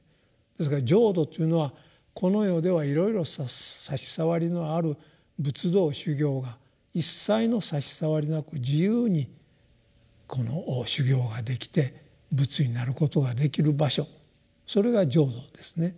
ですから浄土というのはこの世ではいろいろ差し障りのある仏道修行が一切の差し障りなく自由にこの修行ができて仏になることができる場所それが浄土ですね。